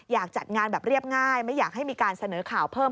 อยากจัดงานแบบเรียบง่ายไม่อยากให้มีการเสนอข่าวเพิ่ม